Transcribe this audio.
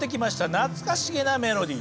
懐かしげなメロディー。